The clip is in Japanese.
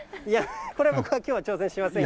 これ、僕はきょうは挑戦しませんよ。